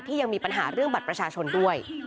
ยังมีปัญหาเรื่องบัตรประชาชนด้วย